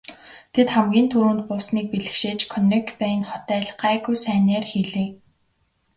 Тэд хамгийн түрүүнд буусныг бэлэгшээж Конекбайн хот айл гайгүй сайн найр хийлээ.